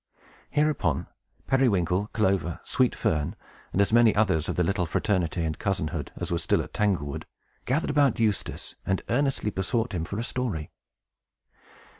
Hereupon, Periwinkle, Clover, Sweet Fern, and as many others of the little fraternity and cousinhood as were still at Tanglewood, gathered about Eustace, and earnestly besought him for a story.